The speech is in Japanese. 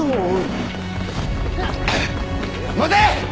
待て！